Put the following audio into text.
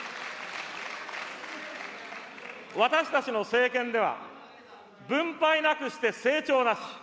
私たちの政権では、分配なくして成長なし。